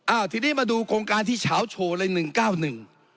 อ้าวทีนี้มาดูโครงการที่เฉาโชว์เลย๑๙๑